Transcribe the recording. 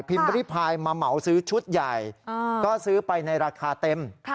ริพายมาเหมาซื้อชุดใหญ่ก็ซื้อไปในราคาเต็ม